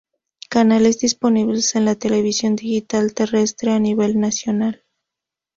Canales disponibles en la televisión digital terrestre a nivel nacional.